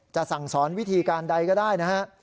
สั่งสอนวิธีการใดก็ได้นะฮะ